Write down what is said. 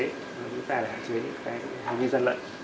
chúng ta để hạn chế những cái hành vi dân lợi